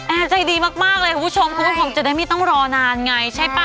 ใจดีมากเลยคุณผู้ชมคุณผู้ชมจะได้ไม่ต้องรอนานไงใช่ป่ะ